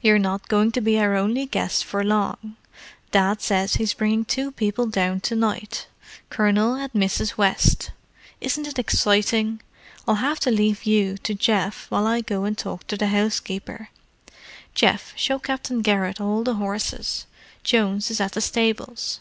"You're not going to be our only guest for long. Dad says he's bringing two people down to night—Colonel and Mrs. West. Isn't it exciting! I'll have to leave you to Geoff while I go and talk to the housekeeper. Geoff, show Captain Garrett all the horses—Jones is at the stables."